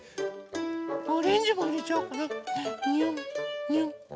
オレンジもいれちゃおうかな。によんにょん。